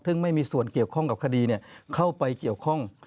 ซึ่งไม่มีส่วนเกี่ยวข้องกับคดีเข้าไปเกี่ยวข้อง